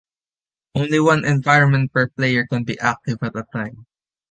Only one environment per player can be active at a time.